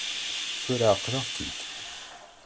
Tura εeqleɣ-k-id.